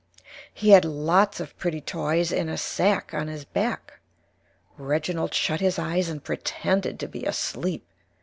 He had Lots of Pretty Toys in a Sack on his Back. Reginald shut his Eyes and Pretended to be Asleep.